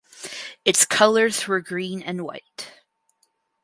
Its colours were green and white.